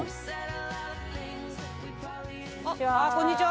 こんにちは。